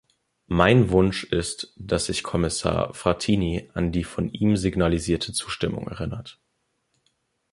Mein Wunsch ist, dass sich Kommissar Frattini an die von ihm signalisierte Zustimmung erinnert.